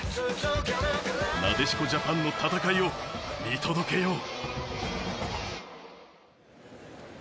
なでしこジャパンの戦いを見届けよう。